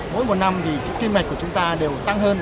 mỗi một năm thì kim ngạch của chúng ta đều tăng hơn